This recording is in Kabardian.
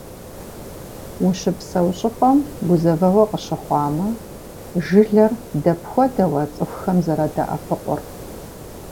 Ущыпсэу щӏыпӏэм гузэвэгъуэ къыщыхъуамэ, жылэр дапхуэдэу а цӏыхухэм зэрадэӏэпыкъур?